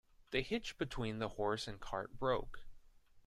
The hitch between the horse and cart broke.